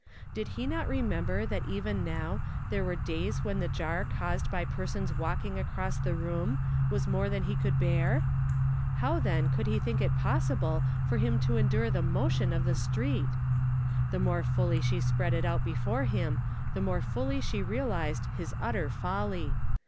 Did Ik; not re memljer that even now theie wert days wlien the jar caused by pei'sons walking across tlie room was more than he could bear? I low. then, could he think it possible for him to endure the motion of the street? Thu more fully she spread it out before him, the mr)re fully she realized his utter folly.